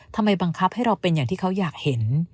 บังคับให้เราเป็นอย่างที่เขาอยากเห็น